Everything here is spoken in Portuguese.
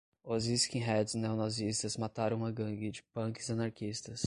Os skinheads neonazistas mataram uma gangue de punks anarquistas